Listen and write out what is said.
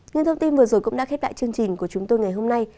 những thông tin vừa rồi cũng đã khép lại chương trình của chúng tôi ngày hôm nay